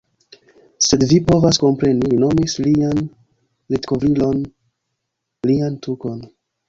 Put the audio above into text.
Sed vi povas kompreni. Li nomis lian litkovrilon... lian tukon.